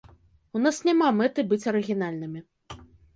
У нас няма мэты быць арыгінальнымі.